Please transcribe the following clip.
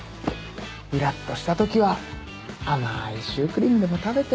イラっとした時は甘いシュークリームでも食べて。